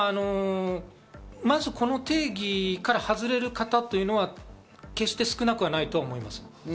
まず、この定義から外れる方というのは決して少なくはないと思います。